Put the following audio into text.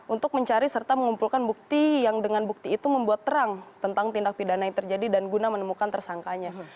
untuk mencari serta mengumpulkan bukti yang dengan bukti itu membuat terang tentang tindak pidana yang terjadi dan guna menemukan tersangkanya